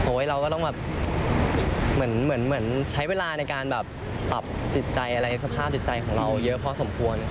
โอ๊ยเราก็ต้องเหมือนใช้เวลาในการปรับสภาพจิตใจของเราเยอะพอสมควร